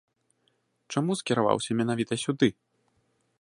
Чаму скіраваўся менавіта сюды?